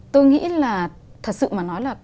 tôi nghĩ là thật sự mà nói là